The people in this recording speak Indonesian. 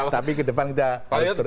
tapi ke depan kita harus ber